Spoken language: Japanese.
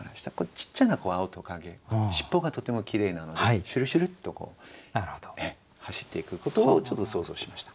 ちっちゃな青蜥蜴尻尾がとてもきれいなのでしゅるしゅるっとこう走っていくことをちょっと想像しました。